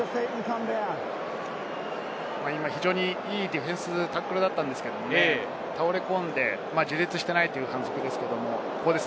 非常にいいディフェンス、タックルだったんですけれど倒れ込んで、自立していないという反則です。